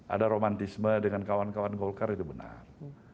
ada romantisme dengan kawan kawan golkar itu benar